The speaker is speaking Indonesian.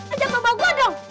ajak bawa bawa gue dong